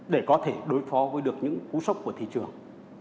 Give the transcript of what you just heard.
để có thể đối phó với được những cú sốc của thị trường